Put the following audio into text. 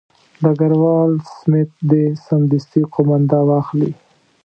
ډګروال سمیت دې سمدستي قومانده واخلي.